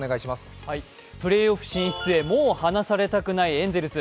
プレーオフ進出へ、もう離されたくないエンゼルス。